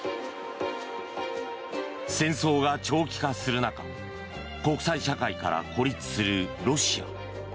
戦争が長期化する中国際社会から孤立するロシア。